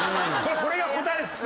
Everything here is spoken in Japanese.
これが答えです。